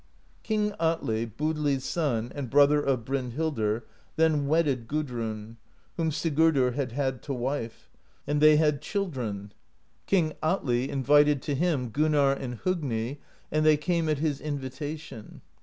" King Atli, Budli's son, and brother of Brynhildr, then wedded Gudrun, whom Sigurdr had had to wife; and they THE POESY OF SKALDS 157 had children. King Atli invited to him Gunnarr and Hogni, and they came at his invitation.